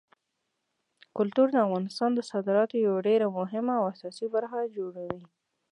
کلتور د افغانستان د صادراتو یوه ډېره مهمه او اساسي برخه جوړوي.